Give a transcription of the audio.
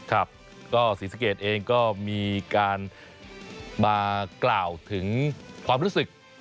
ครับก็ศรีสะเกดเองก็มีการมากล่าวถึงความรู้สึก